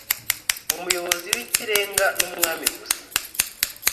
umuyobozi w'ikirenga n'umwami gusa